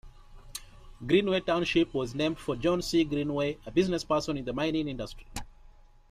Greenway Township was named for John C. Greenway, a businessperson in the mining industry.